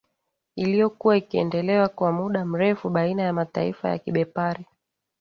Iliyokuwa ikiendelea kwa muda mrefu baina ya mataifa ya Kibepari